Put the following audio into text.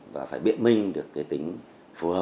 và phải biện minh được tính phù hợp